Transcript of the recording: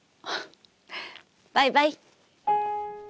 バイバイ。